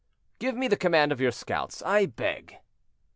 "Give me the command of your scouts, I beg."